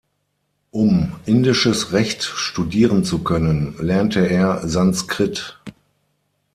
Um indisches Recht studieren zu können, lernte er Sanskrit.